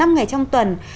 năm ngày trong tuần